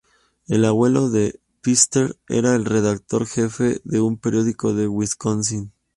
El abuelo de Pfister era el redactor jefe de un periódico de Wisconsin.